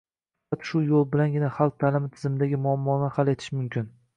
Faqat shu yo‘l bilangina xalq ta’limi tizimidagi muammolarni hal etish mumkin.